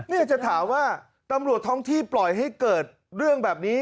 เนี่ยจะถามว่าตำรวจท้องที่ปล่อยให้เกิดเรื่องแบบนี้